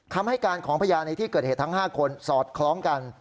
คำให้การของพยานในที่เกิดเหตุทั้ง๕คนสอดคล้องกัน